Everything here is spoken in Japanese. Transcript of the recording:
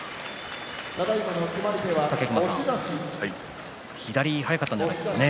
武隈さん左が速かったんじゃないですか。